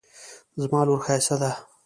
زما لور ښایسته ده